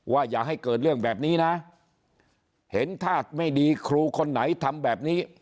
อย่าให้เกิดเรื่องแบบนี้นะเห็นท่าไม่ดีครูคนไหนทำแบบนี้